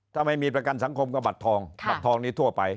ถ้าไม่มีประกันสังคมก็บัตรทองบัตรทองนี้ทั่วไป